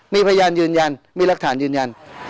มีอื้นยันมีพยานมีรักฐานยืนยัน